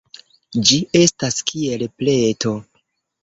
Ĝi estas kiel pleto.